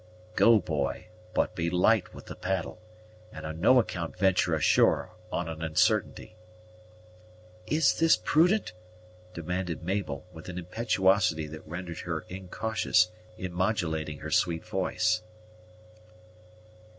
"Go boy but be light with the paddle, and on no account venture ashore on an onsartainty." "Is this prudent?" demanded Mabel, with an impetuosity that rendered her incautious in modulating her sweet voice.